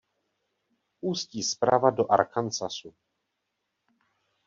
Ústí zprava do Arkansasu.